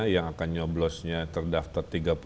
yang akan nyoblosnya terdaftar